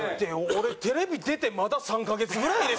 俺テレビ出てまだ３カ月ぐらいですよ？